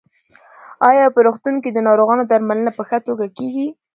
ایا په روغتون کې د ناروغانو درملنه په ښه توګه کېږي؟